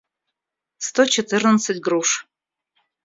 сто четырнадцать груш